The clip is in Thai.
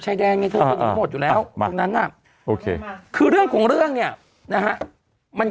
ชายแดงอยู่แล้วมานั้นอ่ะโอเคคือเรื่องของเรื่องเนี่ยนะฮะมัน